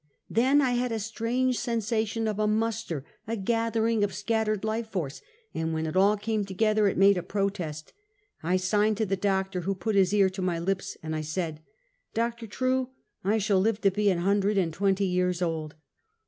" Then I had a strange sensation of a muster, a gathering of scattered life force, and when it all came together it made a protest ; I signed to the doctor, who put his ear to my lips, and I said: "Doctor True, I shall live to be an hundred and twenty years old